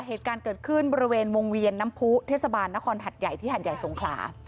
เหตุการณ์เกิดขึ้นบริเวณวงเวียนน้ำผู้เทศบาลนครหัดใหญ่ที่หัดใหญ่สงขลา